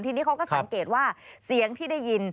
ทีนี้เขาก็สังเกตว่าเสียงที่ได้ยิน